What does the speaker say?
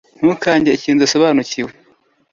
Ntukange ikintu udasobanukiwe